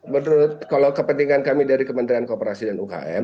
menurut kalau kepentingan kami dari kementerian kooperasi dan ukm